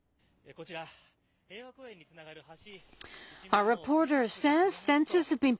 こちら、平和公園につながる橋。